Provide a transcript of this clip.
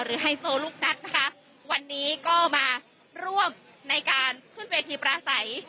ไฮโซลูกนัดนะคะวันนี้ก็มาร่วมในการขึ้นเวทีปราศัย